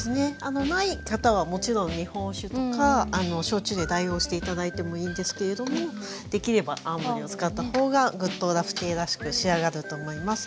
ない方はもちろん日本酒とか焼酎で代用して頂いてもいいんですけれどもできれば泡盛を使ったほうがぐっとラフテーらしく仕上がると思います。